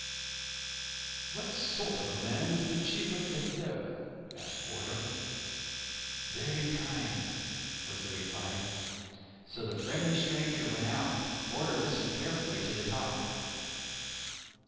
"What sort of a man is the Chief of Ithera?" asked Forder. "Very kind," was the reply. So the friendly stranger went out. Forder listened carefully to the talk.